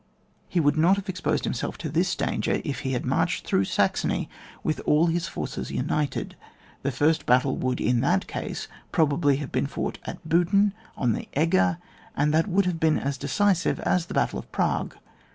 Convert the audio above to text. He would not have exposed himself to this danger if he had mw^ed through Saxony wi& all his forces united. The first battle would in that case pro bably have been fought at Budin on the Eger, and that would have been as deci sive as the Battle of Prague.